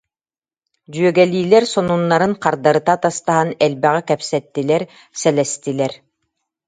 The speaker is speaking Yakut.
Дьүөгэлиилэр сонуннарын хардарыта атастаһан элбэҕи кэпсэттилэр, сэлэстилэр